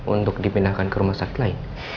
untuk dipindahkan ke rumah sakit lain